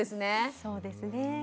そうですね。